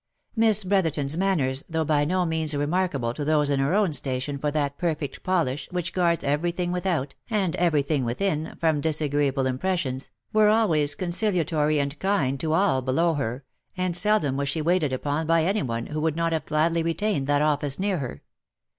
Miss Brotherton's manners, though by no means remarkable to those in her own station for that perfect polish which guards every thing without, and every thing within, from disagreeable impressions, were always conciliatory and kind to all below her, and seldom was she waited upon by any one who would not have gladly retained that office near her.